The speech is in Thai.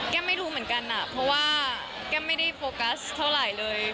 ไม่รู้เหมือนกันเพราะว่าแก้มไม่ได้โฟกัสเท่าไหร่เลย